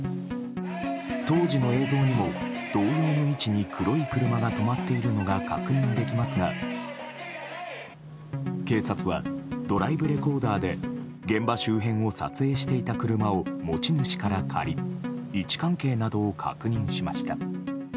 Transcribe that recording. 当時の映像にも同様の位置に黒い車が止まっているのが確認できますが警察は、ドライブレコーダーで現場周辺を撮影していた車を持ち主から借り位置関係などを確認しました。